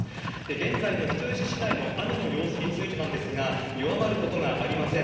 現在の人吉市内の雨の様子についてなんですが、弱まることがありません。